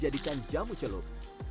dan jamu celup